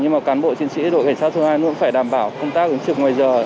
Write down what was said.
nhưng mà cán bộ chiến sĩ đội cảnh sát thu an cũng phải đảm bảo công tác ứng trực ngoài giờ